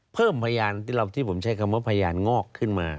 เพิ่มพยานที่เราที่ผมใช้คำว่าพยานงอกขึ้นมา